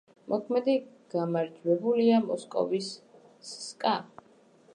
მოქმედი გამარჯვებულია მოსკოვის „ცსკა“.